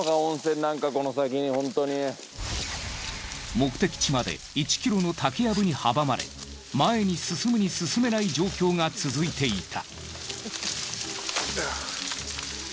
目的地まで１ｋｍの竹藪に阻まれ前に進むに進めない状況が続いていた。